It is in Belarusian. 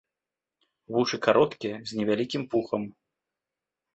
Вушы кароткія, з невялікім пухам.